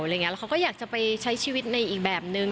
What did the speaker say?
แล้วเขาก็อยากจะไปใช้ชีวิตในอีกแบบนึง